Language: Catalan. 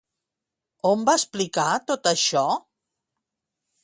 On va explicar tot això?